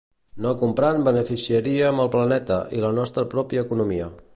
No comprant beneficiaríem el planeta, i la nostra pròpia economia.